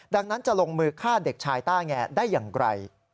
ดังนั้นจะลงมือฆ่าเด็กชายต้าแงได้อย่างไร